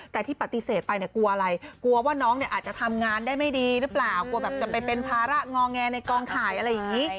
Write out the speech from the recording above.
แต่ที่ปฏิเสธไปเนี่ยกลัวอะไรกลัวว่าน้องเนี่ยอาจจะทำงานได้ไม่ดีหรือเปล่ากลัวแบบจะไปเป็นภาระงอแงในกองถ่ายอะไรอย่างนี้